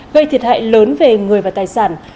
gây thiệt hại lớn về người và tài sản